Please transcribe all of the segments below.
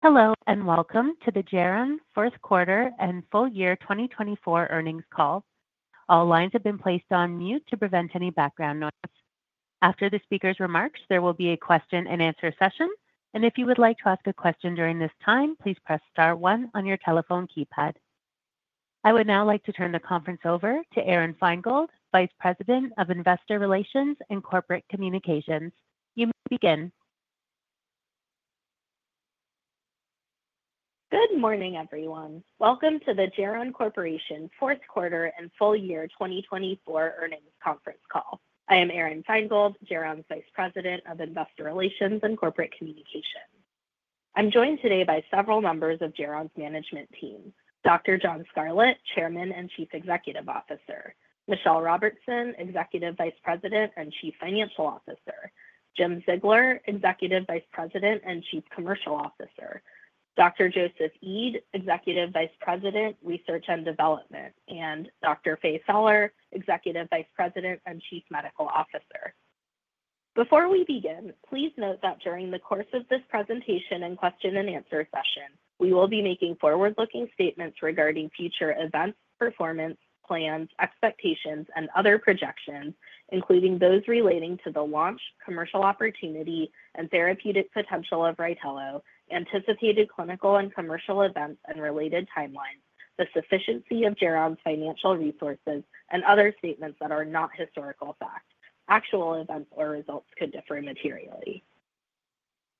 Hello and welcome to the Geron Fourth Quarter and Full Year 2024 earnings call. All lines have been placed on mute to prevent any background noise. After the speaker's remarks, there will be a question-and-answer session, and if you would like to ask a question during this time, please press star one on your telephone keypad. I would now like to turn the conference over to Aron Feingold, Vice President of Investor Relations and Corporate Communications. You may begin. Good morning, everyone. Welcome to the Geron Corporation Fourth Quarter and Full Year 2024 earnings conference call. I am Aron Feingold, Geron's Vice President of Investor Relations and Corporate Communications. I'm joined today by several members of Geron's management team: Dr. John Scarlett, Chairman and Chief Executive Officer, Michelle Robertson, Executive Vice President and Chief Financial Officer, Jim Ziegler, Executive Vice President and Chief Commercial Officer, Dr. Joseph Eid, Executive Vice President, Research and Development, and Dr. Faye Feller, Executive Vice President and Chief Medical Officer. Before we begin, please note that during the course of this presentation and question-and-answer session, we will be making forward-looking statements regarding future events, performance, plans, expectations, and other projections, including those relating to the launch, commercial opportunity, and therapeutic potential of Rytelo, anticipated clinical and commercial events and related timelines, the sufficiency of Geron's financial resources, and other statements that are not historical facts. Actual events or results could differ materially.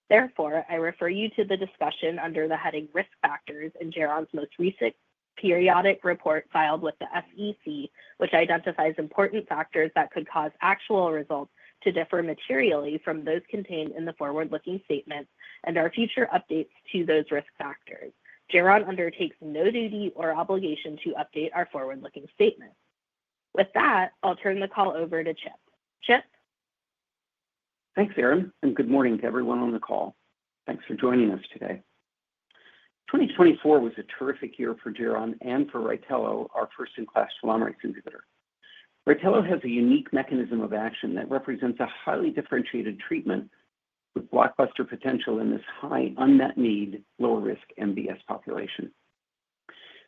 Therefore, I refer you to the discussion under the heading Risk Factors in Geron's most recent periodic report filed with the SEC, which identifies important factors that could cause actual results to differ materially from those contained in the forward-looking statements and our future updates to those risk factors. Geron undertakes no duty or obligation to update our forward-looking statements. With that, I'll turn the call over to Chip. Chip. Thanks, Aron, and good morning to everyone on the call. Thanks for joining us today. 2024 was a terrific year for Geron and for Rytelo, our first-in-class telomerase inhibitor. Rytelo has a unique mechanism of action that represents a highly differentiated treatment with blockbuster potential in this high, unmet need, low-risk MDS population.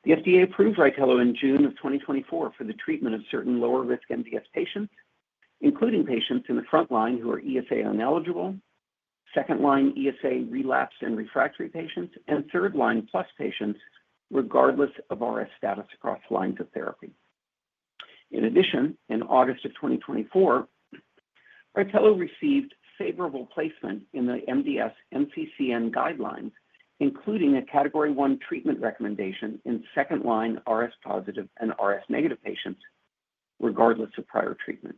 The FDA approved Rytelo in June of 2024 for the treatment of certain lower-risk MDS patients, including patients in the front line who are ESA ineligible, second-line ESA relapsed and refractory patients, and third-line plus patients, regardless of RS status across lines of therapy. In addition, in August of 2024, Rytelo received favorable placement in the MDS NCCN guidelines, including a category one treatment recommendation in second-line RS positive and RS negative patients, regardless of prior treatment.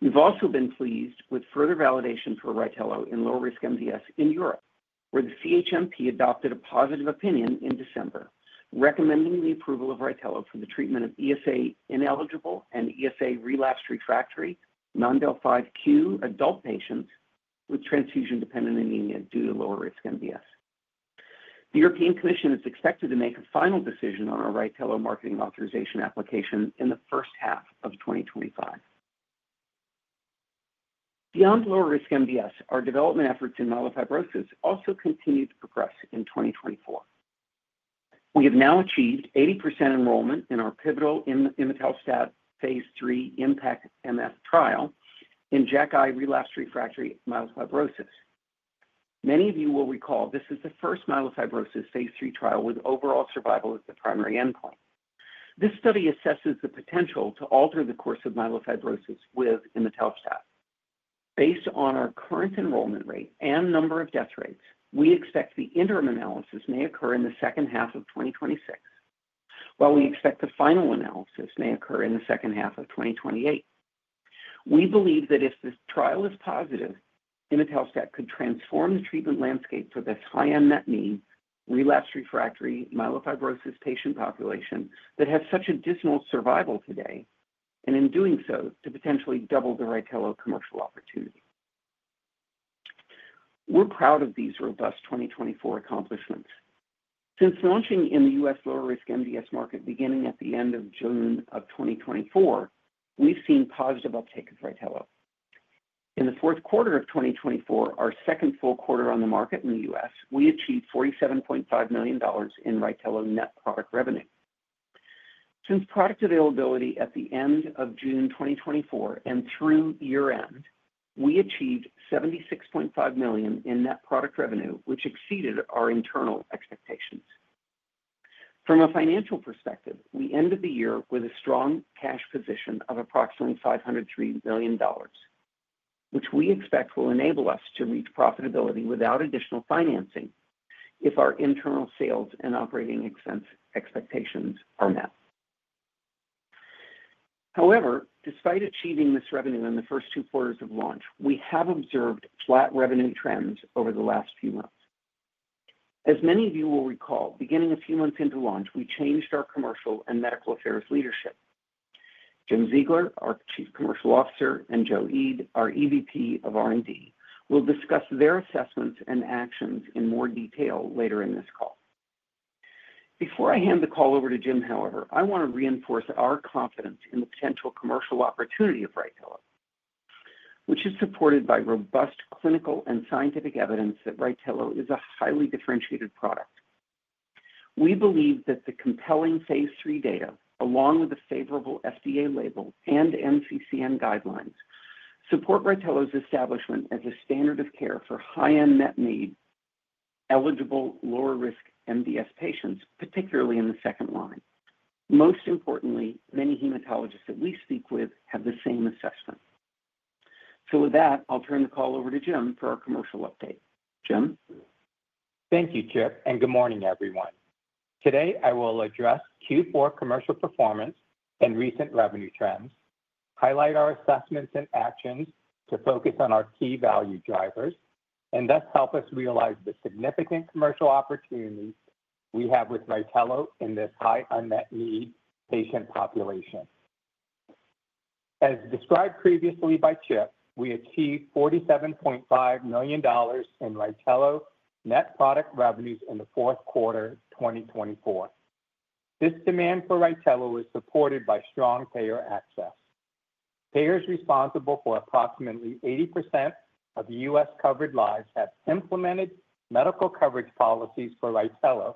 We've also been pleased with further validation for Rytelo in low-risk MDS in Europe, where the CHMP adopted a positive opinion in December, recommending the approval of Rytelo for the treatment of ESA ineligible and ESA relapsed refractory non-del(5q) adult patients with transfusion-dependent anemia due to lower-risk MDS. The European Commission is expected to make a final decision on our Rytelo marketing authorization application in the first half of 2025. Beyond lower-risk MDS, our development efforts in myelofibrosis also continue to progress in 2024. We have now achieved 80% enrollment in our pivotal Imetelstat phase III IMpactMF trial in JAK inhibitor relapsed refractory myelofibrosis. Many of you will recall this is the first myelofibrosis phase III trial with overall survival as the primary endpoint. This study assesses the potential to alter the course of myelofibrosis with Imetelstat. Based on our current enrollment rate and number of death rates, we expect the interim analysis may occur in the second half of 2026, while we expect the final analysis may occur in the second half of 2028. We believe that if the trial is positive, Imetelstat could transform the treatment landscape for this high unmet need, relapsed refractory myelofibrosis patient population that has such additional survival today, and in doing so, to potentially double the Rytelo commercial opportunity. We're proud of these robust 2024 accomplishments. Since launching in the U.S. lower-risk MDS market beginning at the end of June of 2024, we've seen positive uptake of Rytelo. In the fourth quarter of 2024, our second full quarter on the market in the U.S., we achieved $47.5 million in Rytelo net product revenue. Since product availability at the end of June 2024 and through year-end, we achieved $76.5 million in net product revenue, which exceeded our internal expectations. From a financial perspective, we ended the year with a strong cash position of approximately $503 million, which we expect will enable us to reach profitability without additional financing if our internal sales and operating expectations are met. However, despite achieving this revenue in the first two quarters of launch, we have observed flat revenue trends over the last few months. As many of you will recall, beginning a few months into launch, we changed our commercial and medical affairs leadership. Jim Ziegler, our Chief Commercial Officer, and Joe Eid, our EVP of R&D, will discuss their assessments and actions in more detail later in this call. Before I hand the call over to Jim, however, I want to reinforce our confidence in the potential commercial opportunity of Rytelo, which is supported by robust clinical and scientific evidence that Rytelo is a highly differentiated product. We believe that the compelling phase III data, along with the favorable FDA label and NCCN guidelines, support Rytelo's establishment as a standard of care for high-end net need, eligible lower-risk MDS patients, particularly in the second line. Most importantly, many hematologists that we speak with have the same assessment. So with that, I'll turn the call over to Jim for our commercial update. Jim. Thank you, Chip, and good morning, everyone. Today, I will address Q4 commercial performance and recent revenue trends, highlight our assessments and actions to focus on our key value drivers, and thus help us realize the significant commercial opportunities we have with Rytelo in this high unmet need patient population. As described previously by Chip, we achieved $47.5 million in Rytelo net product revenues in the fourth quarter 2024. This demand for Rytelo is supported by strong payer access. Payers responsible for approximately 80% of U.S. covered lives have implemented medical coverage policies for Rytelo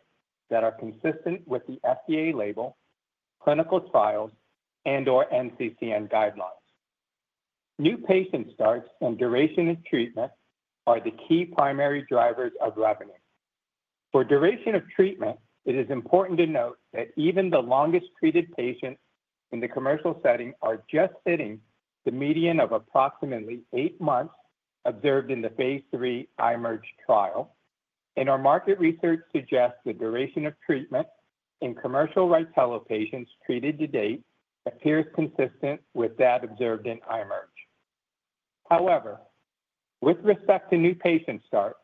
that are consistent with the FDA label, clinical trials, and/or NCCN guidelines. New patient starts and duration of treatment are the key primary drivers of revenue. For duration of treatment, it is important to note that even the longest treated patients in the commercial setting are just hitting the median of approximately eight months observed in the phase III IMerge trial, and our market research suggests the duration of treatment in commercial Rytelo patients treated to date appears consistent with that observed in IMerge. However, with respect to new patient starts,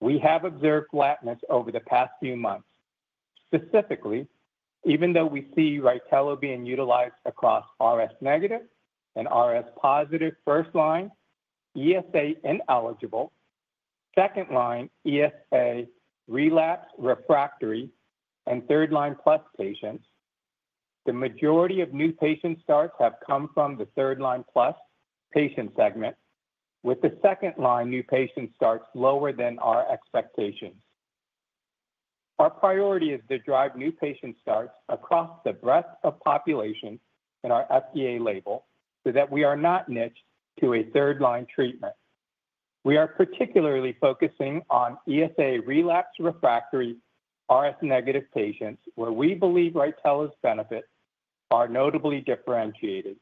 we have observed flatness over the past few months. Specifically, even though we see Rytelo being utilized across RS negative and RS positive first line, ESA ineligible, second line, ESA relapsed refractory, and third line plus patients, the majority of new patient starts have come from the third line plus patient segment, with the second line new patient starts lower than our expectations. Our priority is to drive new patient starts across the breadth of population in our FDA label so that we are not niche to a third line treatment. We are particularly focusing on ESA relapsed refractory RS negative patients, where we believe Rytelo's benefits are notably differentiated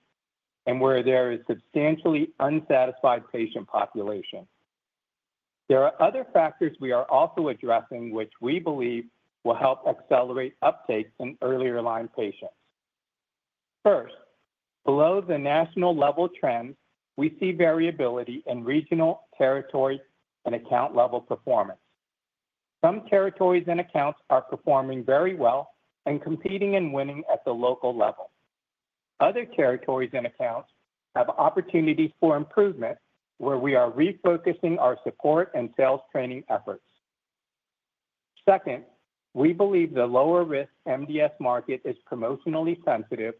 and where there is substantially unsatisfied patient population. There are other factors we are also addressing, which we believe will help accelerate uptake in earlier line patients. First, below the national level trends, we see variability in regional, territory, and account level performance. Some territories and accounts are performing very well and competing and winning at the local level. Other territories and accounts have opportunities for improvement, where we are refocusing our support and sales training efforts. Second, we believe the lower-risk MDS market is promotionally sensitive,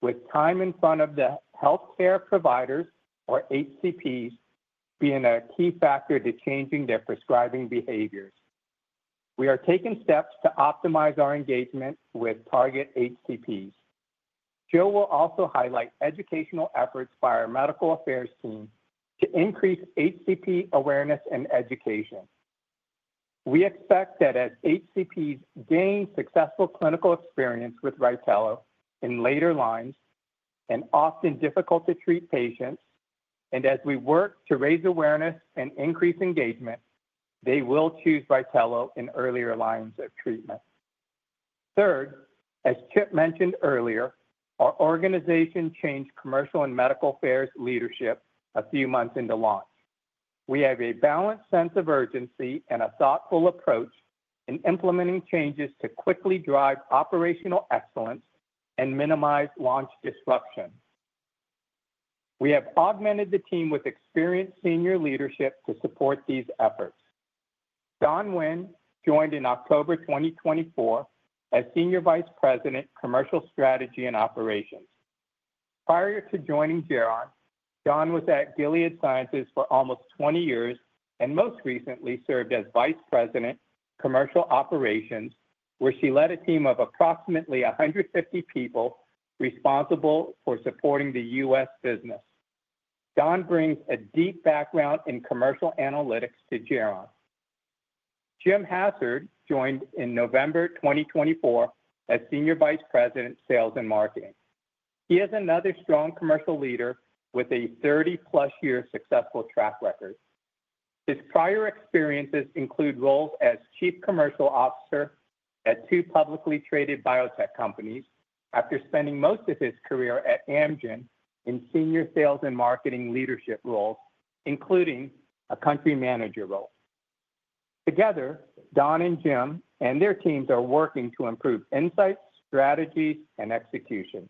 with time in front of the healthcare providers, or HCPs, being a key factor to changing their prescribing behaviors. We are taking steps to optimize our engagement with target HCPs. Joe will also highlight educational efforts by our medical affairs team to increase HCP awareness and education. We expect that as HCPs gain successful clinical experience with Rytelo in later lines and often difficult-to-treat patients, and as we work to raise awareness and increase engagement, they will choose Rytelo in earlier lines of treatment. Third, as Chip mentioned earlier, our organization changed commercial and medical affairs leadership a few months into launch. We have a balanced sense of urgency and a thoughtful approach in implementing changes to quickly drive operational excellence and minimize launch disruption. We have augmented the team with experienced senior leadership to support these efforts. Jenn Weng joined in October 2024 as Senior Vice President, Commercial Strategy and Operations. Prior to joining Geron, John was at Gilead Sciences for almost 20 years and most recently served as Vice President, Commercial Operations, where she led a team of approximately 150 people responsible for supporting the U.S. business. John brings a deep background in commercial analytics to Geron. Jim Hassard joined in November 2024 as Senior Vice President, Sales and Marketing. He is another strong commercial leader with a 30-plus year successful track record. His prior experiences include roles as Chief Commercial Officer at two publicly traded biotech companies after spending most of his career at Amgen in senior sales and marketing leadership roles, including a country manager role. Together, John and Jim and their teams are working to improve insights, strategies, and execution.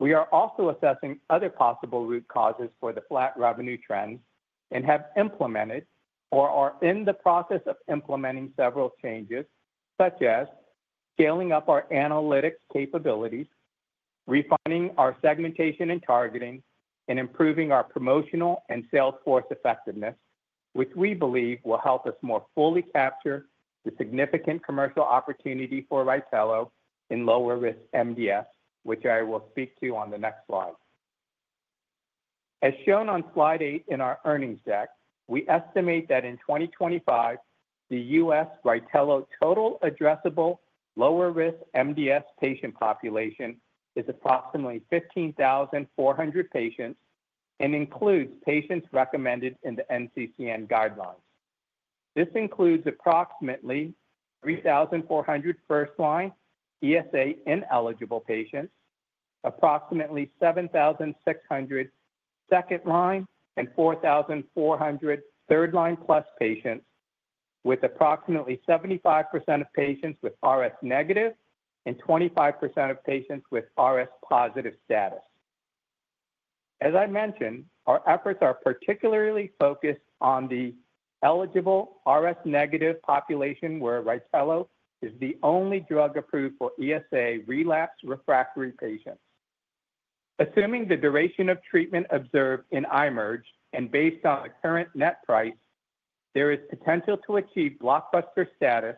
We are also assessing other possible root causes for the flat revenue trends and have implemented or are in the process of implementing several changes, such as scaling up our analytics capabilities, refining our segmentation and targeting, and improving our promotional and sales force effectiveness, which we believe will help us more fully capture the significant commercial opportunity for Rytelo in lower-risk MDS, which I will speak to on the next slide. As shown on slide eight in our earnings deck, we estimate that in 2025, the U.S. Rytelo total addressable lower-risk MDS patient population is approximately 15,400 patients and includes patients recommended in the NCCN guidelines. This includes approximately 3,400 first-line ESA ineligible patients, approximately 7,600 second line, and 4,400 third line plus patients, with approximately 75% of patients with RS negative and 25% of patients with RS positive status. As I mentioned, our efforts are particularly focused on the eligible RS negative population where Rytelo is the only drug approved for ESA relapsed refractory patients. Assuming the duration of treatment observed in IMerge and based on the current net price, there is potential to achieve blockbuster status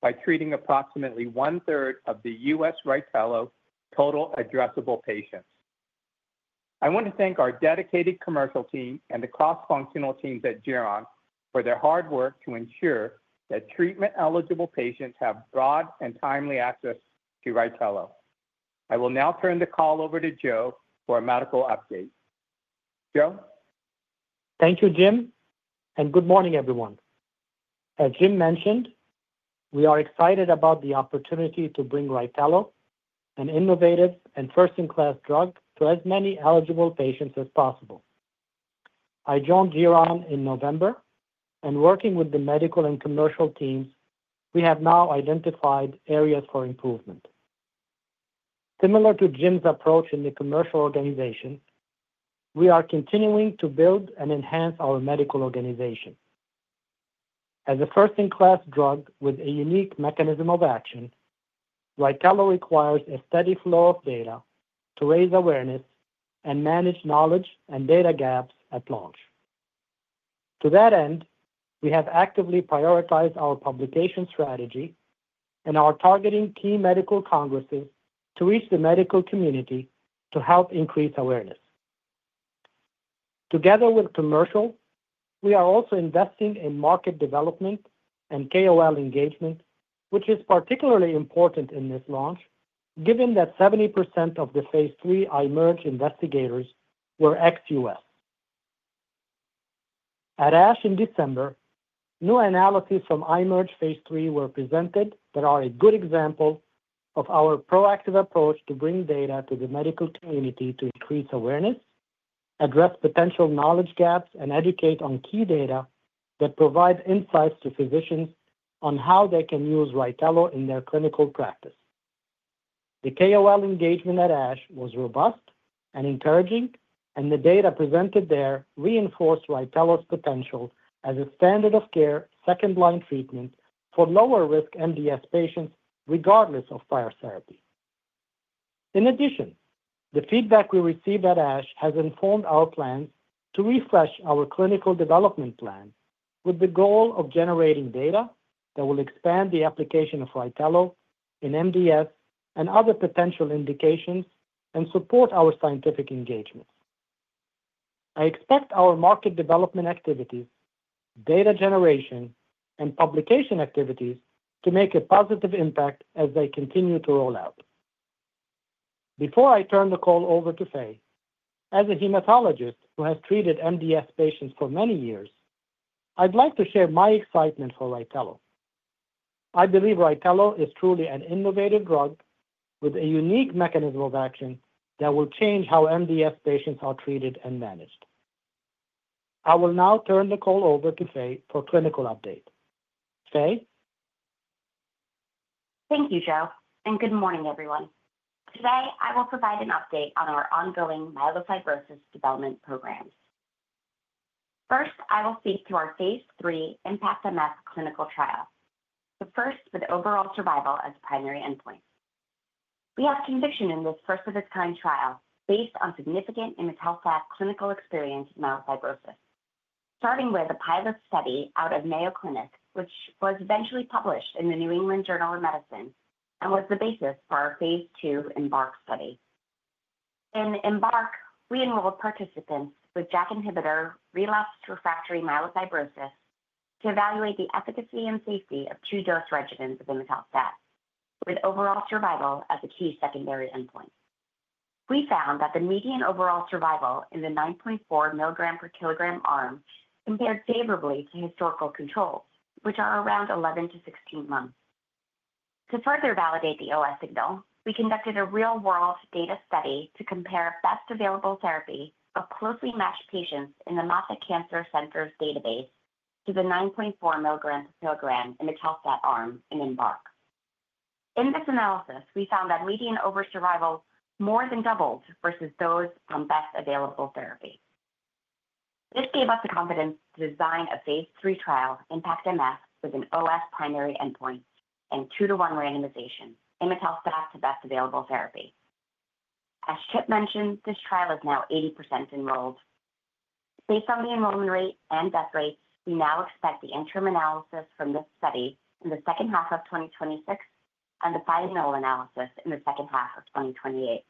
by treating approximately one-third of the U.S. Rytelo total addressable patients. I want to thank our dedicated commercial team and the cross-functional teams at Geron for their hard work to ensure that treatment-eligible patients have broad and timely access to Rytelo. I will now turn the call over to Joe for a medical update. Joe? Thank you, Jim, and good morning, everyone. As Jim mentioned, we are excited about the opportunity to bring Rytelo, an innovative and first-in-class drug, to as many eligible patients as possible. I joined Geron in November, and working with the medical and commercial teams, we have now identified areas for improvement. Similar to Jim's approach in the commercial organization, we are continuing to build and enhance our medical organization. As a first-in-class drug with a unique mechanism of action, Rytelo requires a steady flow of data to raise awareness and manage knowledge and data gaps at launch. To that end, we have actively prioritized our publication strategy and are targeting key medical congresses to reach the medical community to help increase awareness. Together with commercial, we are also investing in market development and KOL engagement, which is particularly important in this launch, given that 70% of the phase III IMerge investigators were ex-U.S. At ASH in December, new analyses from IMerge phase III were presented that are a good example of our proactive approach to bring data to the medical community to increase awareness, address potential knowledge gaps, and educate on key data that provide insights to physicians on how they can use Rytelo in their clinical practice. The KOL engagement at ASH was robust and encouraging, and the data presented there reinforced Rytelo's potential as a standard of care second-line treatment for lower-risk MDS patients, regardless of prior therapy. In addition, the feedback we received at ASH has informed our plans to refresh our clinical development plan with the goal of generating data that will expand the application of Rytelo in MDS and other potential indications and support our scientific engagements. I expect our market development activities, data generation, and publication activities to make a positive impact as they continue to roll out. Before I turn the call over to Faye, as a hematologist who has treated MDS patients for many years, I'd like to share my excitement for Rytelo. I believe Rytelo is truly an innovative drug with a unique mechanism of action that will change how MDS patients are treated and managed. I will now turn the call over to Faye for a clinical update. Faye? Thank you, Joe, and good morning, everyone. Today, I will provide an update on our ongoing myelofibrosis development programs. First, I will speak to our phase III IMpactMF clinical trial, the first with overall survival as a primary endpoint. We have conviction in this first-of-its-kind trial based on significant Imetelstat clinical experience in myelofibrosis, starting with a pilot study out of Mayo Clinic, which was eventually published in the New England Journal of Medicine and was the basis for our phase II IMbark study. In IMbark, we enrolled participants with JAK inhibitor relapsed refractory myelofibrosis to evaluate the efficacy and safety of two-dose regimens of Imetelstat, with overall survival as a key secondary endpoint. We found that the median overall survival in the 9.4 milligram per kilogram arm compared favorably to historical controls, which are around 11-16 months. To further validate the OS signal, we conducted a real-world data study to compare best available therapy of closely matched patients in the Moffitt Cancer Center's database to the 9.4 milligram per kilogram imetelstat arm in IMbark. In this analysis, we found that median overall survival more than doubled versus those on best available therapy. This gave us the confidence to design a phase III trial, IMpactMF, with an OS primary endpoint and two-to-one randomization, imetelstat to best available therapy. As Chip mentioned, this trial is now 80% enrolled. Based on the enrollment rate and death rates, we now expect the interim analysis from this study in the second half of 2026 and the final analysis in the second half of 2028.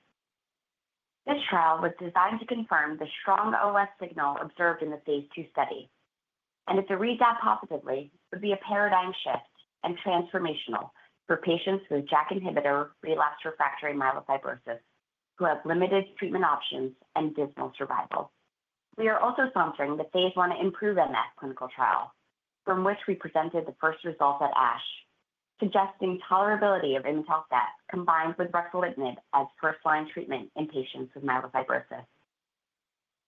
This trial was designed to confirm the strong OS signal observed in the phase II study, and if it reads out positively, it would be a paradigm shift and transformational for patients with JAK inhibitor relapsed refractory myelofibrosis who have limited treatment options and dismal survival. We are also sponsoring the phase I IMproveMF clinical trial, from which we presented the first results at ASH, suggesting tolerability of imetelstat combined with ruxolitinib as first-line treatment in patients with myelofibrosis.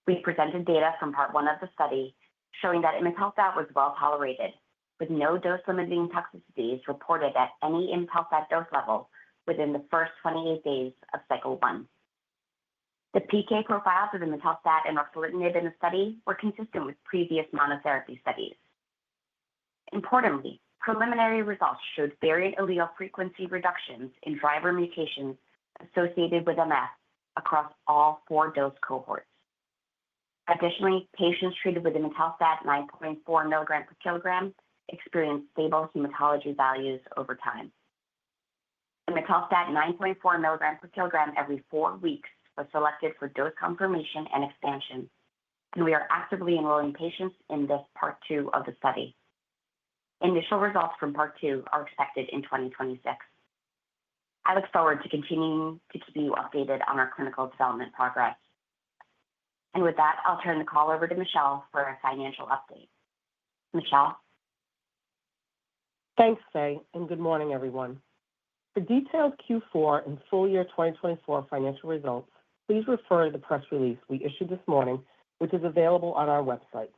We presented data from part one of the study showing that imetelstat was well tolerated, with no dose-limiting toxicities reported at any imetelstat dose level within the first 28 days of cycle one. The PK profiles of imetelstat and ruxolitinib in the study were consistent with previous monotherapy studies. Importantly, preliminary results showed variant allele frequency reductions in driver mutations associated with MDS across all four dose cohorts. Additionally, patients treated with Imetelstat 9.4 milligram per kilogram experienced stable hematology values over time. Imetelstat 9.4 milligram per kilogram every four weeks was selected for dose confirmation and expansion, and we are actively enrolling patients in this part two of the study. Initial results from part two are expected in 2026. I look forward to continuing to keep you updated on our clinical development progress. And with that, I'll turn the call over to Michelle for a financial update. Michelle? Thanks, Faye, and good morning, everyone. For detailed Q4 and full year 2024 financial results, please refer to the press release we issued this morning, which is available on our website.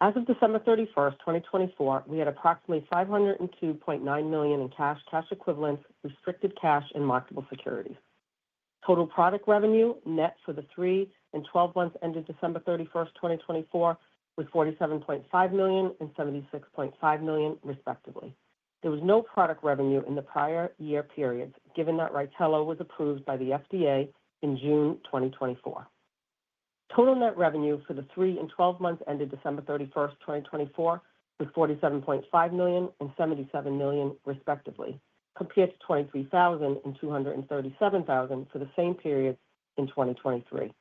As of December 31, 2024, we had approximately $502.9 million in cash, cash equivalents, restricted cash, and marketable securities. Total product revenue net for the three and 12 months ended December 31, 2024, was $47.5 million and $76.5 million, respectively. There was no product revenue in the prior year periods, given that Rytelo was approved by the FDA in June 2024. Total net revenue for the three and 12 months ended December 31, 2024, was $47.5 million and $77 million, respectively, compared to $23,237 for the same period in 2023.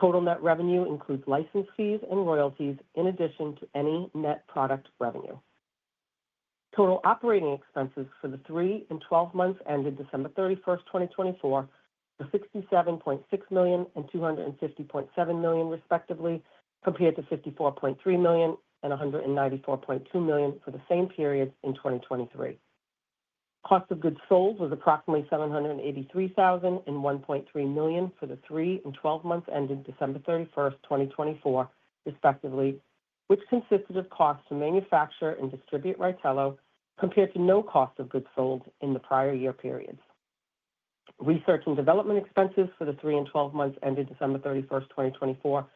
Total net revenue includes license fees and royalties, in addition to any net product revenue. Total operating expenses for the three and 12 months ended December 31, 2024, were $67.6 million and $250.7 million, respectively, compared to $54.3 million and $194.2 million for the same period in 2023. Cost of goods sold was approximately $783,000 and $1.3 million for the three and 12 months ended December 31, 2024, respectively, which consisted of costs to manufacture and distribute Rytelo compared to no cost of goods sold in the prior year periods. Research and development expenses for the three and 12 months ended December 31, 2024,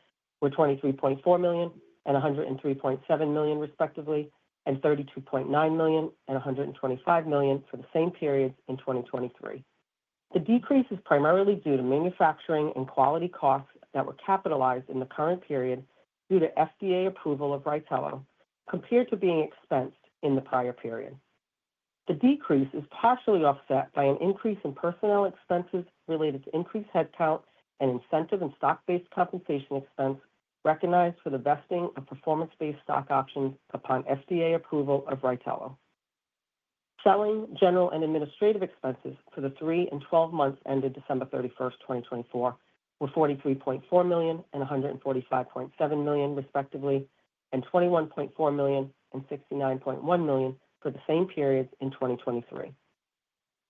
were $23.4 million and $103.7 million, respectively, and $32.9 million and $125 million for the same period in 2023. The decrease is primarily due to manufacturing and quality costs that were capitalized in the current period due to FDA approval of Rytelo compared to being expensed in the prior period. The decrease is partially offset by an increase in personnel expenses related to increased headcount and incentive and stock-based compensation expense recognized for the vesting of performance-based stock options upon FDA approval of Rytelo. Selling, general, and administrative expenses for the three and 12 months ended December 31, 2024, were $43.4 million and $145.7 million, respectively, and $21.4 million and $69.1 million for the same period in 2023.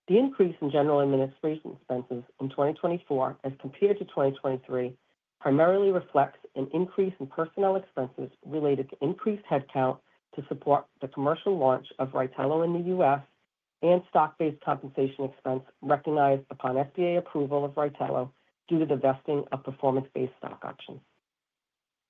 The increase in general and administrative expenses in 2024, as compared to 2023, primarily reflects an increase in personnel expenses related to increased headcount to support the commercial launch of Rytelo in the U.S. and stock-based compensation expense recognized upon FDA approval of Rytelo due to the vesting of performance-based stock options.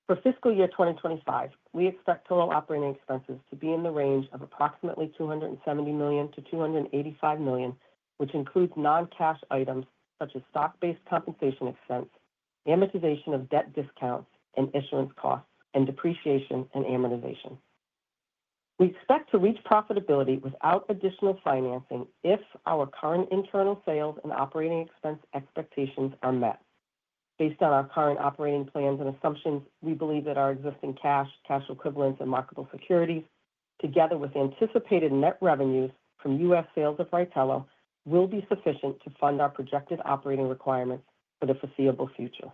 For fiscal year 2025, we expect total operating expenses to be in the range of approximately $270 million-$285 million, which includes non-cash items such as stock-based compensation expense, amortization of debt discounts and issuance costs, and depreciation and amortization. We expect to reach profitability without additional financing if our current internal sales and operating expense expectations are met. Based on our current operating plans and assumptions, we believe that our existing cash, cash equivalents, and marketable securities, together with anticipated net revenues from U.S. sales of Rytelo, will be sufficient to fund our projected operating requirements for the foreseeable future.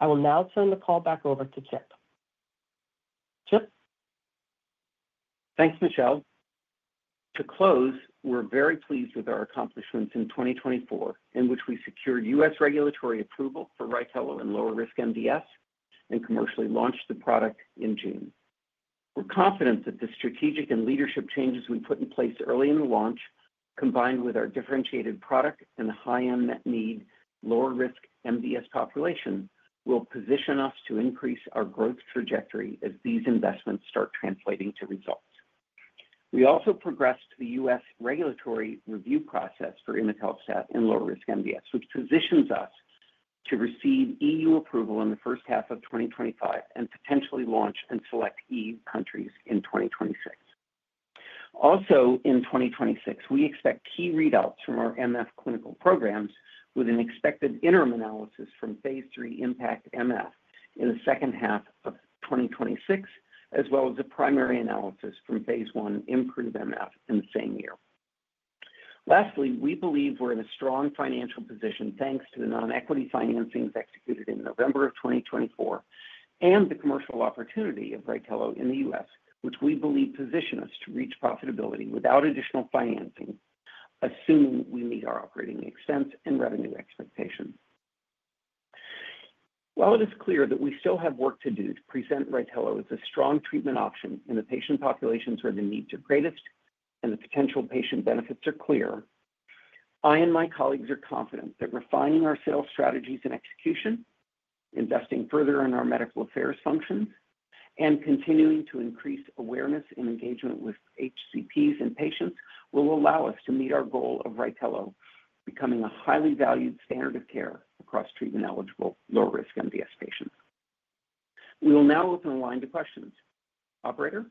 I will now turn the call back over to Chip. Chip? Thanks, Michelle. To close, we're very pleased with our accomplishments in 2024, in which we secured U.S. regulatory approval for Rytelo and lower-risk MDS and commercially launched the product in June. We're confident that the strategic and leadership changes we put in place early in the launch, combined with our differentiated product and the high unmet need lower-risk MDS population, will position us to increase our growth trajectory as these investments start translating to results. We also progressed the U.S. regulatory review process for imetelstat and lower-risk MDS, which positions us to receive EU approval in the first half of 2025 and potentially launch in select EU countries in 2026. Also, in 2026, we expect key readouts from our MF clinical programs with an expected interim analysis from phase III IMpactMF in the second half of 2026, as well as a primary analysis from phase I ImproveMF in the same year. Lastly, we believe we're in a strong financial position thanks to the non-equity financings executed in November of 2024 and the commercial opportunity of Rytelo in the U.S., which we believe positions us to reach profitability without additional financing, assuming we meet our operating expense and revenue expectations. While it is clear that we still have work to do to present Rytelo as a strong treatment option in the patient populations where the needs are greatest and the potential patient benefits are clear, I and my colleagues are confident that refining our sales strategies and execution, investing further in our medical affairs functions, and continuing to increase awareness and engagement with HCPs and patients will allow us to meet our goal of Rytelo becoming a highly valued standard of care across treatment-eligible lower-risk MDS patients. We will now open the line to questions. Operator?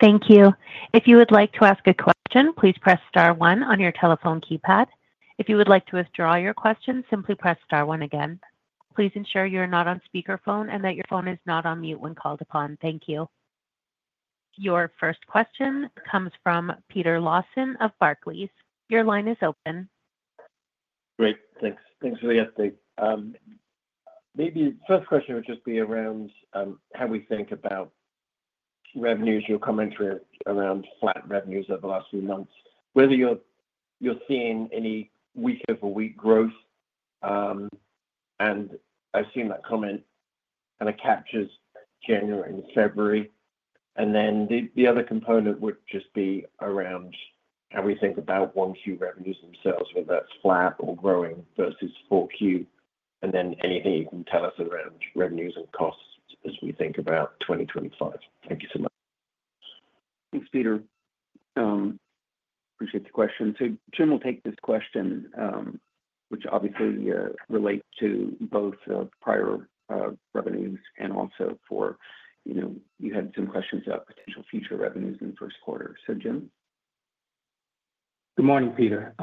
Thank you. If you would like to ask a question, please press star one on your telephone keypad. If you would like to withdraw your question, simply press star one again. Please ensure you are not on speakerphone and that your phone is not on mute when called upon. Thank you. Your first question comes from Peter Lawson of Barclays. Your line is open. Great. Thanks. Thanks for the update. Maybe the first question would just be around how we think about revenues you're coming through around flat revenues over the last few months, whether you're seeing any week-over-week growth. I've seen that comment, and it captures January and February. Then the other component would just be around how we think about Q1 revenues themselves, whether that's flat or growing versus Q4. Then anything you can tell us around revenues and costs as we think about 2025. Thank you so much. Thanks, Peter. Appreciate the question. So Jim will take this question, which obviously relates to both prior revenues and also you had some questions about potential future revenues in the first quarter. So Jim? Good morning, Peter.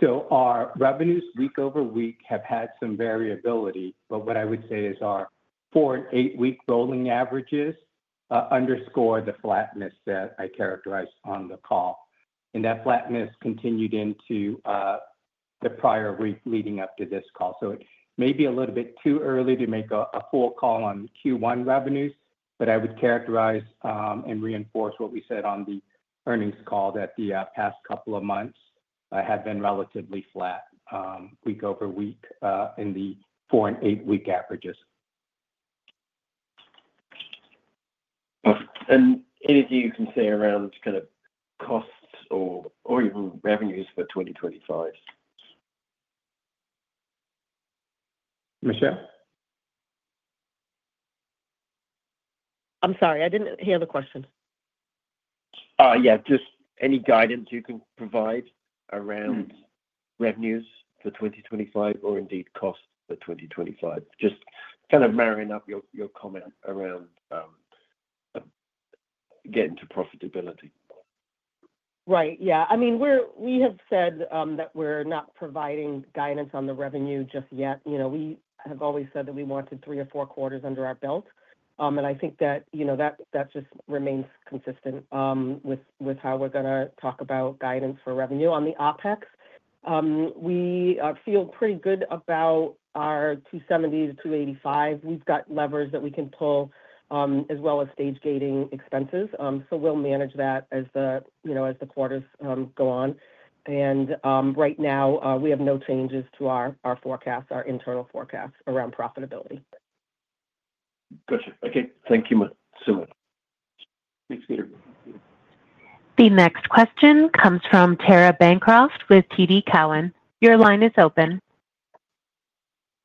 So our revenues week over week have had some variability, but what I would say is our four and eight-week rolling averages underscore the flatness that I characterized on the call. And that flatness continued into the prior week leading up to this call. So it may be a little bit too early to make a full call on Q1 revenues, but I would characterize and reinforce what we said on the earnings call that the past couple of months have been relatively flat week over week in the four and eight-week averages. Anything you can say around kind of costs or even revenues for 2025? Michelle? I'm sorry. I didn't hear the question. Yeah. Just any guidance you can provide around revenues for 2025 or indeed costs for 2025, just kind of marrying up your comment around getting to profitability? Right. Yeah. I mean, we have said that we're not providing guidance on the revenue just yet. We have always said that we wanted three or four quarters under our belt. And I think that that just remains consistent with how we're going to talk about guidance for revenue. On the OpEx, we feel pretty good about our $270-$285. We've got levers that we can pull as well as stage-gating expenses. So we'll manage that as the quarters go on. And right now, we have no changes to our forecasts, our internal forecasts around profitability. Gotcha. Okay. Thank you so much. Thanks, Peter. The next question comes from Tara Bancroft with TD Cowen. Your line is open.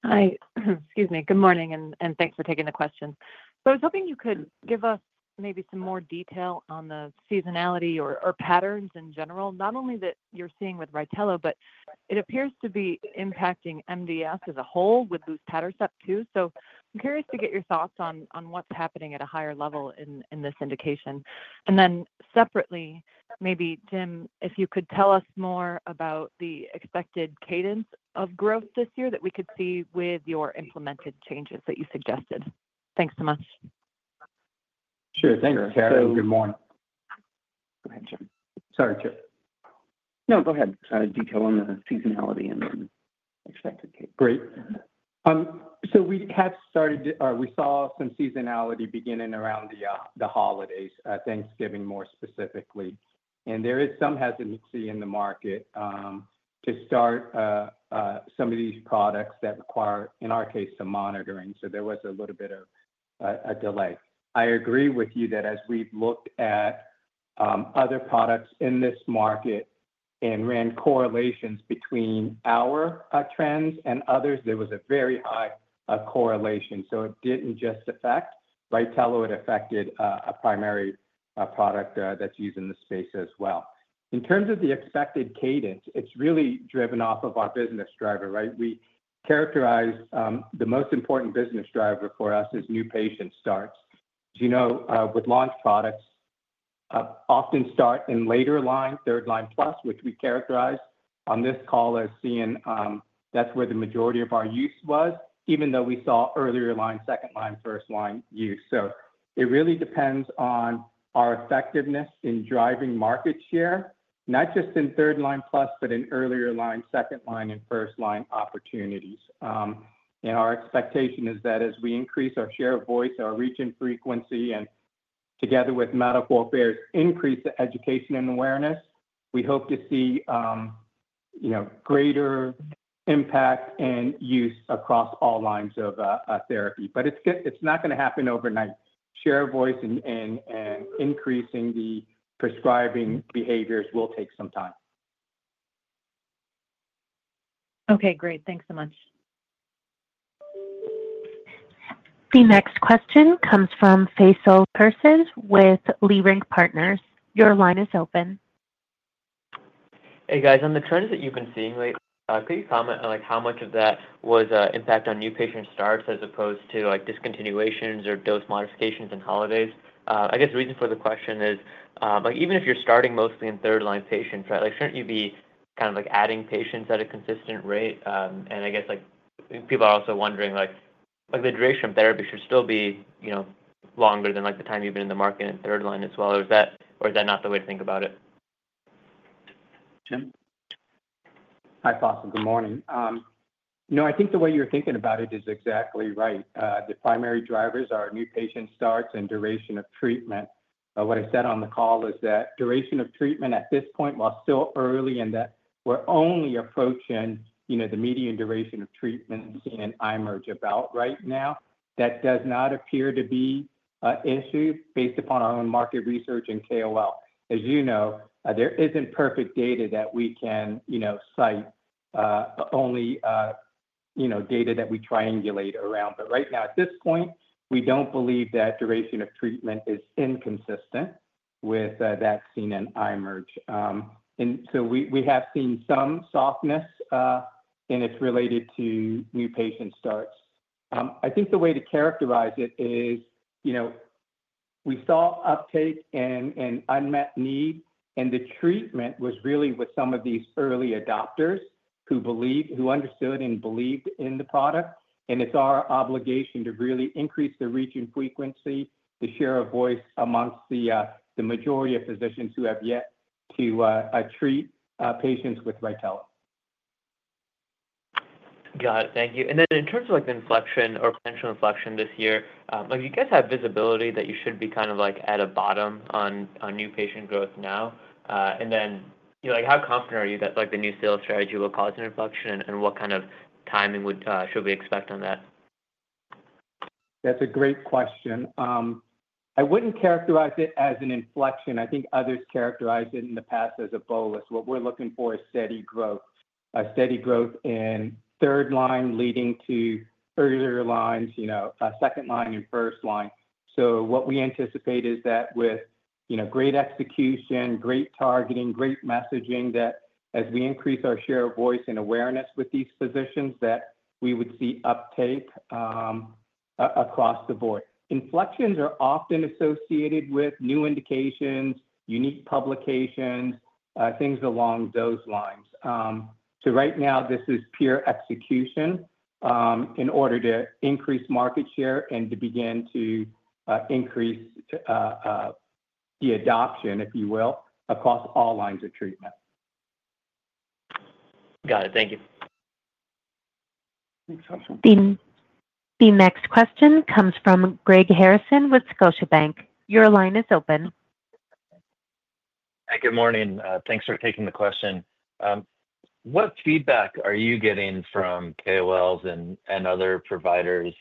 Hi. Excuse me. Good morning, and thanks for taking the question. So I was hoping you could give us maybe some more detail on the seasonality or patterns in general, not only that you're seeing with Rytelo, but it appears to be impacting MDS as a whole with Luspatercept too. So I'm curious to get your thoughts on what's happening at a higher level in this indication. And then separately, maybe, Jim, if you could tell us more about the expected cadence of growth this year that we could see with your implemented changes that you suggested. Thanks so much. Sure. Thank you. Good morning. Go ahead, Jim. Sorry, Chip. No, go ahead. Kind of detail on the seasonality and then expected cadence. Great, so we have started or we saw some seasonality beginning around the holidays, Thanksgiving more specifically, and there is some hesitancy in the market to start some of these products that require, in our case, some monitoring, so there was a little bit of a delay. I agree with you that as we've looked at other products in this market and ran correlations between our trends and others, there was a very high correlation, so it didn't just affect Rytelo. It affected a primary product that's used in the space as well. In terms of the expected cadence, it's really driven off of our business driver, right? We characterize the most important business driver for us as new patient starts. As you know, with launch products, often start in later line, third line plus, which we characterize on this call as seeing that's where the majority of our use was, even though we saw earlier line, second line, first line use. So it really depends on our effectiveness in driving market share, not just in third line plus, but in earlier line, second line, and first line opportunities. And our expectation is that as we increase our share of voice, our reach and frequency, and together with medical affairs, increase the education and awareness, we hope to see greater impact and use across all lines of therapy. But it's not going to happen overnight. Share of voice and increasing the prescribing behaviors will take some time. Okay. Great. Thanks so much. The next question comes from Faisal Khurshid with Leerink Partners. Your line is open. Hey, guys. On the trends that you've been seeing lately, could you comment on how much of that was impact on new patient starts as opposed to discontinuations or dose modifications and holidays? I guess the reason for the question is, even if you're starting mostly in third line patients, shouldn't you be kind of adding patients at a consistent rate? I guess people are also wondering, the duration of therapy should still be longer than the time you've been in the market in third line as well. Or is that not the way to think about it? Jim? Hi, Faisal. Good morning. No, I think the way you're thinking about it is exactly right. The primary drivers are new patient starts and duration of treatment. What I said on the call is that duration of treatment at this point, while still early in that we're only approaching the median duration of treatment seen in IMerge about right now, that does not appear to be an issue based upon our own market research and KOL. As you know, there isn't perfect data that we can cite, only data that we triangulate around. But right now, at this point, we don't believe that duration of treatment is inconsistent with that seen in IMerge. And so we have seen some softness, and it's related to new patient starts. I think the way to characterize it is we saw uptake and unmet need, and the treatment was really with some of these early adopters who understood and believed in the product. And it's our obligation to really increase the reach and frequency, the share of voice amongst the majority of physicians who have yet to treat patients with Rytelo. Got it. Thank you. And then in terms of inflection or potential inflection this year, do you guys have visibility that you should be kind of at a bottom on new patient growth now? And then how confident are you that the new sales strategy will cause an inflection, and what kind of timing should we expect on that? That's a great question. I wouldn't characterize it as an inflection. I think others characterized it in the past as a bolus. What we're looking for is steady growth, steady growth in third line leading to earlier lines, second line and first line. So what we anticipate is that with great execution, great targeting, great messaging, that as we increase our share of voice and awareness with these physicians, that we would see uptake across the board. Inflections are often associated with new indications, unique publications, things along those lines. So right now, this is pure execution in order to increase market share and to begin to increase the adoption, if you will, across all lines of treatment. Got it. Thank you. Thanks, Faisal. The next question comes from Greg Harrison with Scotiabank. Your line is open. Hi. Good morning. Thanks for taking the question. What feedback are you getting from KOLs and other providers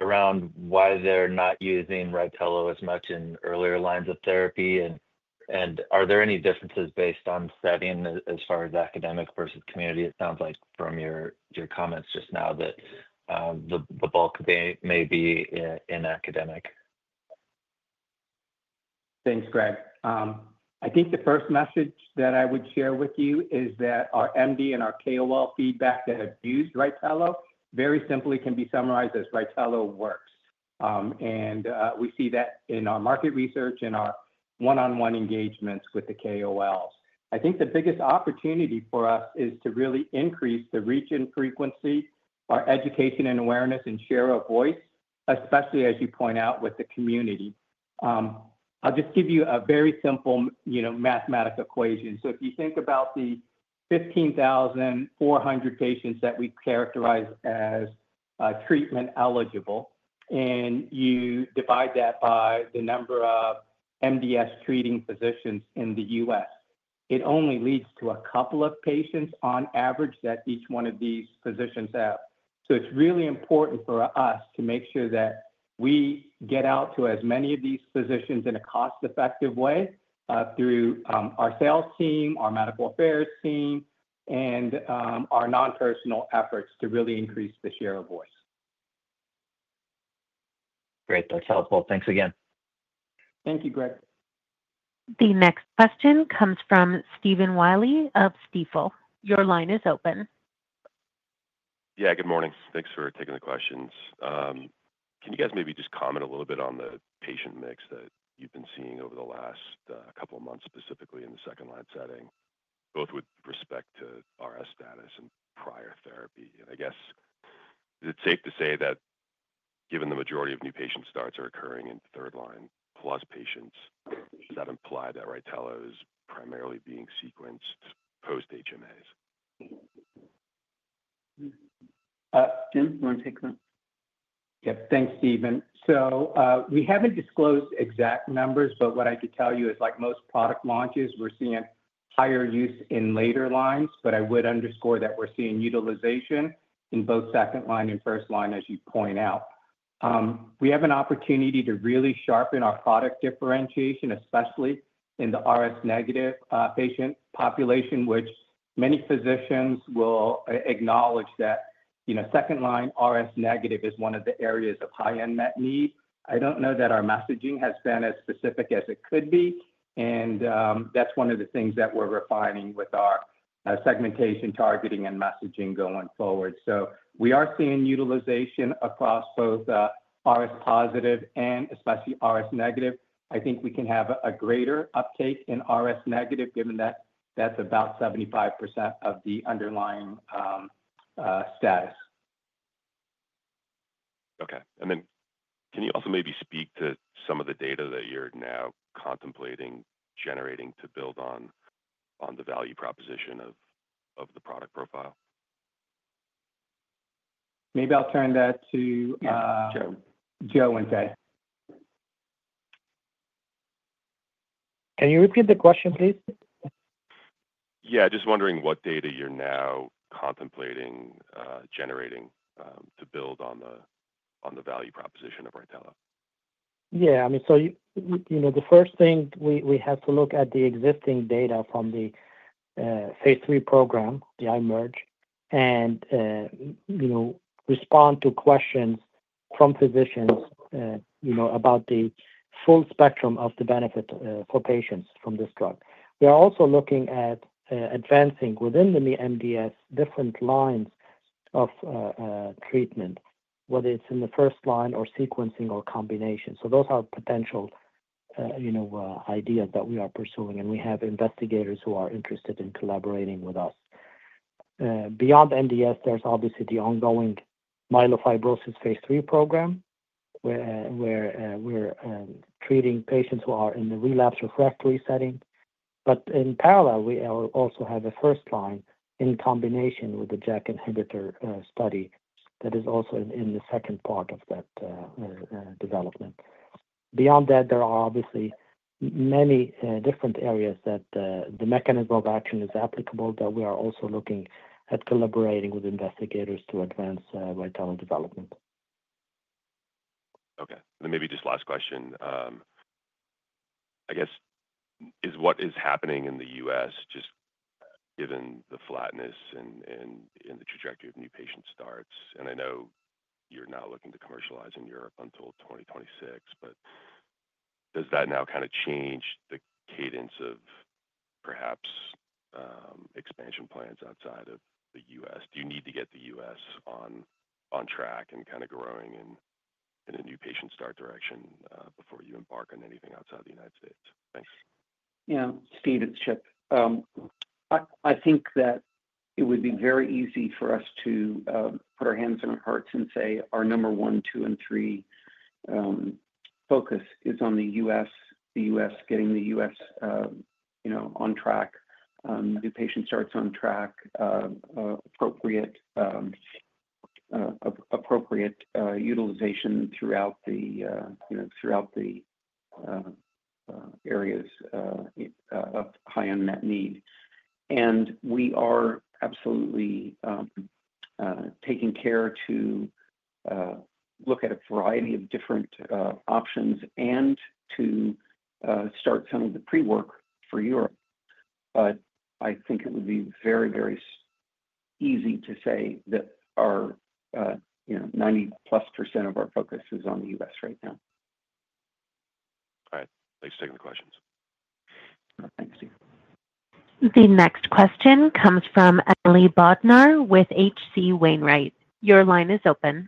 around why they're not using Rytelo as much in earlier lines of therapy? And are there any differences based on setting as far as academic versus community? It sounds like from your comments just now that the bulk may be in academic. Thanks, Greg. I think the first message that I would share with you is that our MD and our KOL feedback that have used Rytelo very simply can be summarized as Rytelo works, and we see that in our market research and our one-on-one engagements with the KOLs. I think the biggest opportunity for us is to really increase the reach and frequency, our education and awareness, and share of voice, especially as you point out with the community. I'll just give you a very simple mathematical equation, so if you think about the 15,400 patients that we characterize as treatment-eligible, and you divide that by the number of MDS treating physicians in the US, it only leads to a couple of patients on average that each one of these physicians have. So it's really important for us to make sure that we get out to as many of these physicians in a cost-effective way through our sales team, our medical affairs team, and our non-personal efforts to really increase the share of voice. Great. That's helpful. Thanks again. Thank you, Greg. The next question comes from Stephen Willey of Stifel. Your line is open. Yeah. Good morning. Thanks for taking the questions. Can you guys maybe just comment a little bit on the patient mix that you've been seeing over the last couple of months, specifically in the second line setting, both with respect to RS status and prior therapy? And I guess, is it safe to say that given the majority of new patient starts are occurring in third line plus patients, does that imply that Rytelo is primarily being sequenced post-HMAs? Jim? You want to take that? Yep. Thanks, Stephen. So we haven't disclosed exact numbers, but what I could tell you is most product launches, we're seeing higher use in later lines. But I would underscore that we're seeing utilization in both second line and first line, as you point out. We have an opportunity to really sharpen our product differentiation, especially in the RS negative patient population, which many physicians will acknowledge that second line RS negative is one of the areas of high unmet need. I don't know that our messaging has been as specific as it could be. And that's one of the things that we're refining with our segmentation, targeting, and messaging going forward. So we are seeing utilization across both RS positive and especially RS negative. I think we can have a greater uptake in RS negative given that that's about 75% of the underlying status. Okay. And then can you also maybe speak to some of the data that you're now contemplating generating to build on the value proposition of the product profile? Maybe I'll turn that to. Yeah. Joe. Joe and Faye. Can you repeat the question, please? Yeah. Just wondering what data you're now contemplating generating to build on the value proposition of Rytelo? Yeah. I mean, so the first thing, we have to look at the existing data from the phase III program, the IMerge, and respond to questions from physicians about the full spectrum of the benefit for patients from this drug. We are also looking at advancing within the MDS different lines of treatment, whether it's in the first line or sequencing or combination. So those are potential ideas that we are pursuing. And we have investigators who are interested in collaborating with us. Beyond MDS, there's obviously the ongoing myelofibrosis phase III program where we're treating patients who are in the relapsed refractory setting, but in parallel, we also have a first line in combination with the JAK inhibitor study that is also in the second part of that development. Beyond that, there are obviously many different areas that the mechanism of action is applicable, that we are also looking at collaborating with investigators to advance Rytelo development. Okay. And then maybe just last question. I guess, what is happening in the U.S. just given the flatness in the trajectory of new patient starts? And I know you're now looking to commercialize in Europe until 2026, but does that now kind of change the cadence of perhaps expansion plans outside of the U.S.? Do you need to get the U.S. on track and kind of growing in a new patient start direction before you embark on anything outside the United States? Thanks. Yeah. Steve, it's Chip. I think that it would be very easy for us to put our hands on our hearts and say our number one, two, and three focus is on the U.S., getting the U.S. on track, new patient starts on track, appropriate utilization throughout the areas of high unmet need, and we are absolutely taking care to look at a variety of different options and to start some of the pre-work for Europe, but I think it would be very, very easy to say that our 90-plus% of our focus is on the U.S. right now. All right. Thanks for taking the questions. Thanks, Steve. The next question comes from Emily Bodnar with H.C. Wainwright. Your line is open.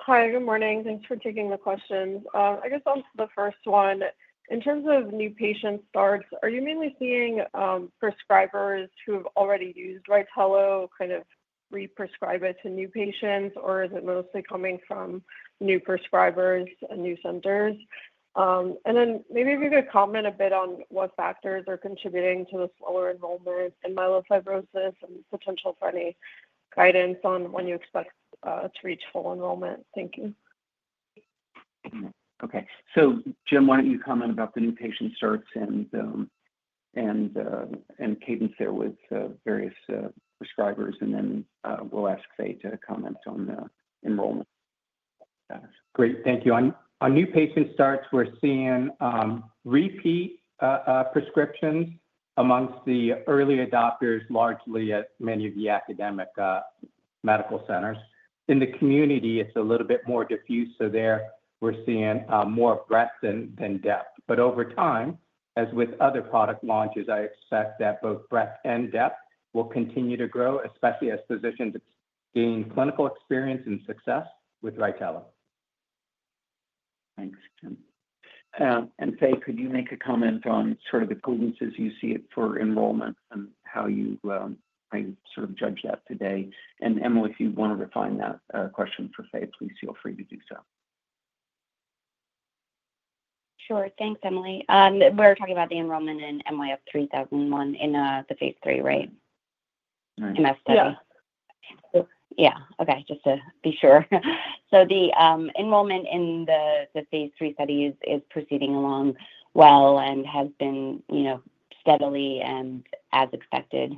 Hi. Good morning. Thanks for taking the questions. I guess on the first one, in terms of new patient starts, are you mainly seeing prescribers who have already used Rytelo kind of re-prescribe it to new patients, or is it mostly coming from new prescribers and new centers, and then maybe if you could comment a bit on what factors are contributing to the slower enrollment in myelofibrosis and potential for any guidance on when you expect to reach full enrollment? Thank you. Okay, so Jim, why don't you comment about the new patient starts and cadence there with various prescribers? And then we'll ask Faye to comment on the enrollment. Great. Thank you. On new patient starts, we're seeing repeat prescriptions among the early adopters, largely at many of the academic medical centers. In the community, it's a little bit more diffuse. So there, we're seeing more breadth than depth. But over time, as with other product launches, I expect that both breadth and depth will continue to grow, especially as physicians gain clinical experience and success with RYTELO. Thanks, Jim. And Faye, could you make a comment on sort of the cadences you see for enrollment and how you sort of judge that today? And Emily, if you want to refine that question for Faye, please feel free to do so. Sure. Thanks, Emily. We're talking about the enrollment in IMpactMF in the phase III study. Right. Yeah. Yeah. Okay. Just to be sure. So the enrollment in the phase III studies is proceeding along well and has been steadily and as expected.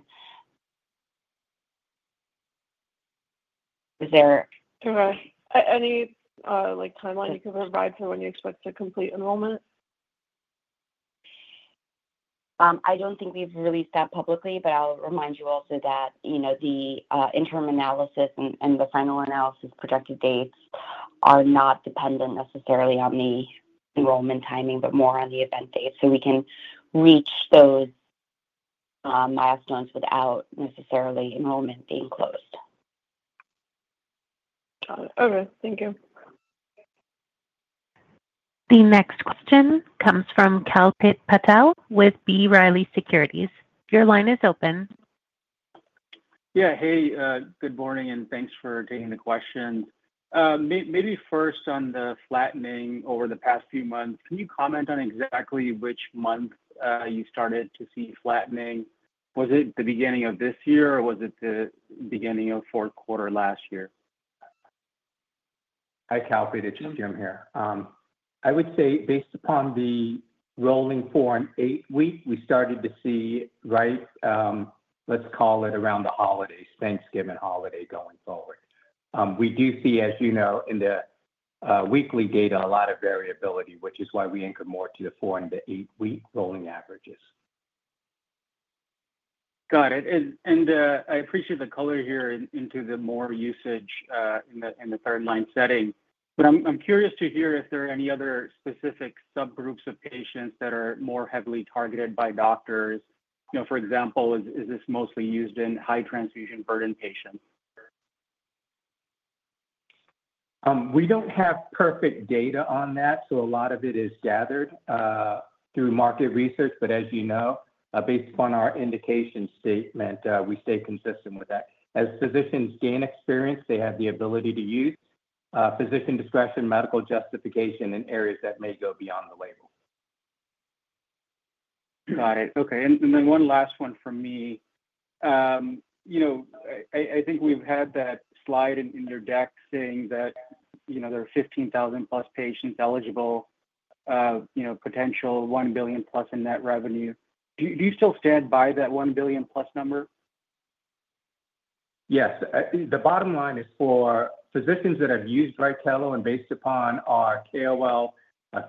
Is there? Do you have any timeline you can provide for when you expect to complete enrollment? I don't think we've released that publicly, but I'll remind you also that the interim analysis and the final analysis projected dates are not dependent necessarily on the enrollment timing, but more on the event dates, so we can reach those milestones without necessarily enrollment being closed. Got it. Okay. Thank you. The next question comes from Kalpit Patel with B. Riley Securities. Your line is open. Yeah. Hey. Good morning. And thanks for taking the question. Maybe first on the flattening over the past few months, can you comment on exactly which month you started to see flattening? Was it the beginning of this year, or was it the beginning of fourth quarter last year? Hi, Kalpit. It's Jim here. I would say based upon the rolling four- and eight-week, we started to see, right, let's call it around the holidays, Thanksgiving holiday going forward. We do see, as you know, in the weekly data, a lot of variability, which is why we anchor more to the four- and the eight-week rolling averages. Got it. And I appreciate the color here into the more usage in the third-line setting. But I'm curious to hear if there are any other specific subgroups of patients that are more heavily targeted by doctors. For example, is this mostly used in high transfusion burden patients? We don't have perfect data on that. So a lot of it is gathered through market research. But as you know, based upon our indication statement, we stay consistent with that. As physicians gain experience, they have the ability to use physician discretion, medical justification, and areas that may go beyond the label. Got it. Okay. And then one last one from me. I think we've had that slide in your deck saying that there are 15,000-plus patients eligible, potential $1 billion-plus in net revenue. Do you still stand by that $1 billion-plus number? Yes. The bottom line is for physicians that have used Rytelo and based upon our KOL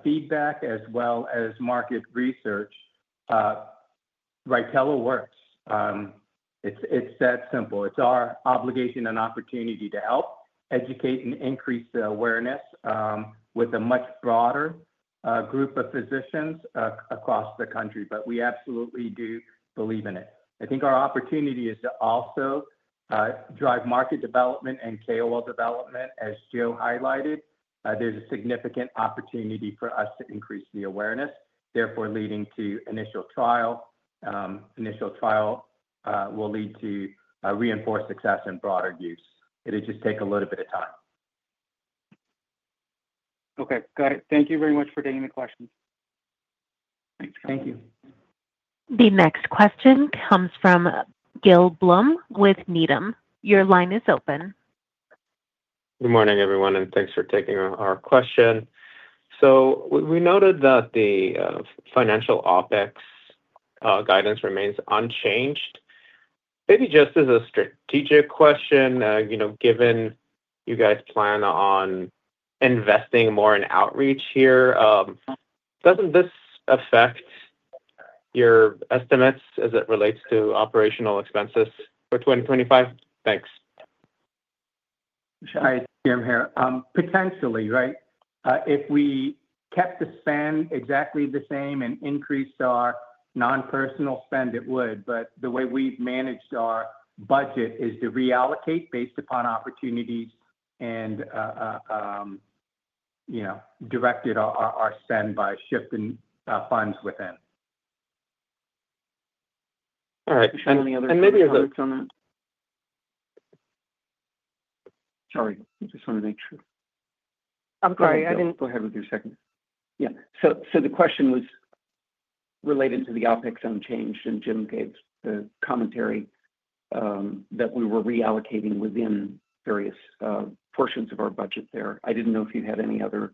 feedback as well as market research, Rytelo works. It's that simple. It's our obligation and opportunity to help educate and increase awareness with a much broader group of physicians across the country. But we absolutely do believe in it. I think our opportunity is to also drive market development and KOL development. As Joe highlighted, there's a significant opportunity for us to increase the awareness, therefore leading to initial trial. Initial trial will lead to reinforced success and broader use. It'll just take a little bit of time. Okay. Got it. Thank you very much for taking the questions. Thanks. Thank you. The next question comes from Gil Blum with Needham. Your line is open. Good morning, everyone. And thanks for taking our question. So we noted that the financial OpEx guidance remains unchanged. Maybe just as a strategic question, given you guys plan on investing more in outreach here, doesn't this affect your estimates as it relates to operational expenses for 2025? Thanks. Hi, Jim here. Potentially, right? If we kept the spend exactly the same and increased our non-personal spend, it would, but the way we've managed our budget is to reallocate based upon opportunities and directed our spend by shifting funds within. All right. And any other questions on that? Sorry. I just want to make sure. I'm sorry. I didn't. Go ahead with your second. Yeah, so the question was related to the OpEx unchanged, and Jim gave the commentary that we were reallocating within various portions of our budget there. I didn't know if you had any other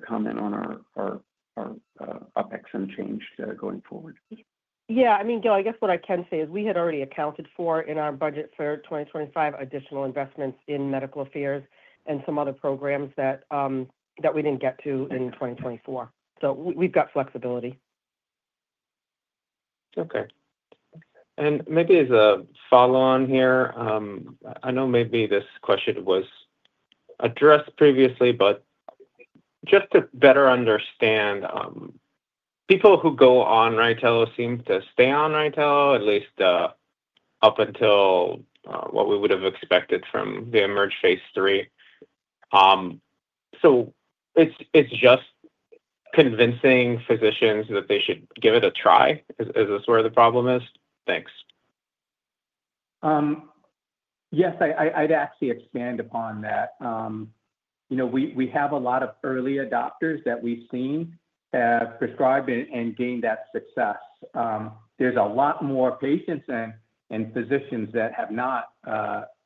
comment on our OpEx unchanged going forward. Yeah. I mean, Gil, I guess what I can say is we had already accounted for in our budget for 2025 additional investments in medical affairs and some other programs that we didn't get to in 2024. So we've got flexibility. Okay. And maybe as a follow-on here, I know maybe this question was addressed previously, but just to better understand, people who go on Rytelo seem to stay on Rytelo, at least up until what we would have expected from the IMerge phase III. So it's just convincing physicians that they should give it a try? Is this where the problem is? Thanks. Yes. I'd actually expand upon that. We have a lot of early adopters that we've seen have prescribed and gained that success. There's a lot more patients and physicians that have not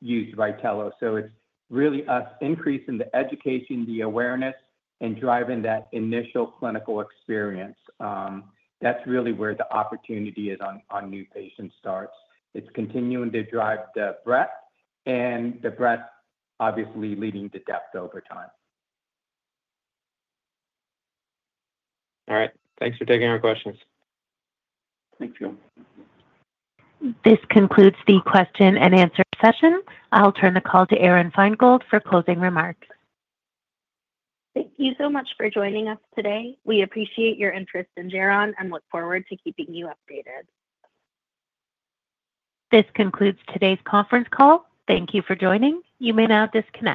used Rytelo. So it's really us increasing the education, the awareness, and driving that initial clinical experience. That's really where the opportunity is on new patient starts. It's continuing to drive the breadth, and the breadth obviously leading to depth over time. All right. Thanks for taking our questions. Thank you. This concludes the question and answer session. I'll turn the call to Aron Feingold for closing remarks. Thank you so much for joining us today. We appreciate your interest in Geron and look forward to keeping you updated. This concludes today's conference call. Thank you for joining. You may now disconnect.